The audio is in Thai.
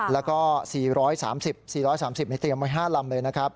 แล้วก็๔๓๐ในเตรียม๕ลำเลย